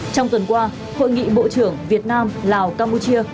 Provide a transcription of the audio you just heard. trong tuần qua hội nghị bộ trưởng việt nam lào campuchia